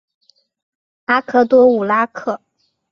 阿克多武拉克。